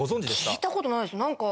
聞いたことないです何か。